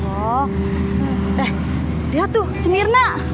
eh dia tuh si mirna